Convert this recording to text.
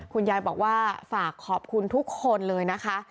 คุณยายบอกว่าฝากขอบคุณทุกคนเลยนะคะ